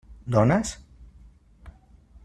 Dones?